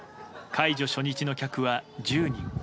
解除初日の客は１０人。